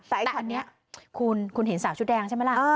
แต่คันนี้คุณเห็นสาวชุดแดงใช่ไหมล่ะ